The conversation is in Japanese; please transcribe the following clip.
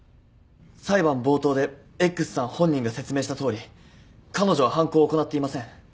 裁判冒頭でＸさん本人が説明したとおり彼女は犯行を行っていません。